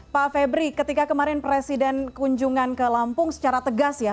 pak febri ketika kemarin presiden kunjungan ke lampung secara tegas ya